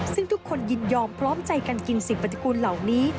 ซึ่งทุกคนยินยอมพร้อมใจกันกินสิ่งปฏิกูลเหล่านี้